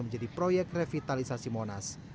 menjadi proyek revitalisasi monas